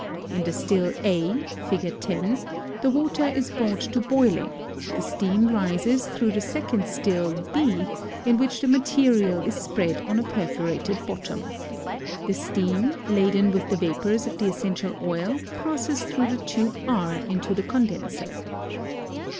In the still A (Fig. 10) the water is brought to boiling, the steam rises through the second still B in which the material is spread on a perforated bottom. The steam laden with the vapors of the essential oil passes through the tube R into the condenser.